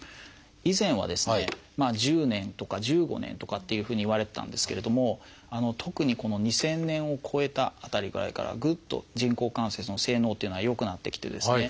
以前はですね１０年とか１５年とかというふうにいわれてたんですけれども特にこの２０００年を越えた辺りぐらいからぐっと人工関節の性能というのは良くなってきてですね